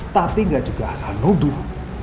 tapi gak juga asal nodul